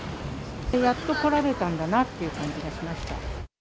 やっと来られたんだなっていう感じがしました。